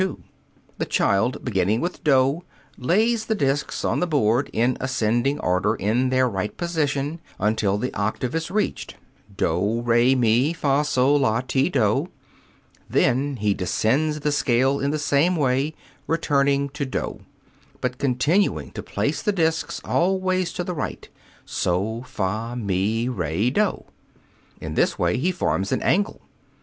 32.) The child beginning with doh, lays the discs on the board in ascending order in their right position until the octave is reached: doh, re, mi, fah, soh, lah, ti, doh. Then he descends the scale in the same way, returning to doh, but continuing to place the discs always to the right: soh, fah, mi, re, doh. In this way he forms an angle.